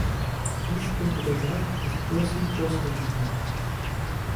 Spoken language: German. Dies könnte der Sarg des Percy Jocelyn sein.